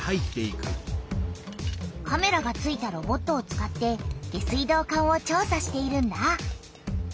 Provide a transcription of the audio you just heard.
カメラがついたロボットを使って下水道管を調さしているんだ。